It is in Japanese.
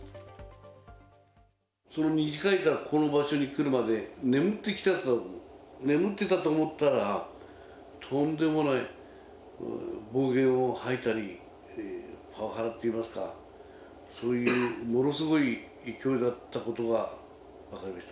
２次会からここの場所に来るまでに、眠って来たと、眠ってたと思ったら、とんでもない暴言を吐いたり、パワハラといいますか、そういうものすごい勢いだったことは分かりました。